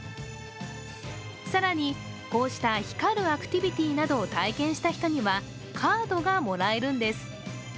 更に、こうした光るアクティビティーなどを体験した人にはカードがもらえるんです。